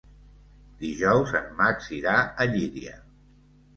Dijous en Max irà a Llíria.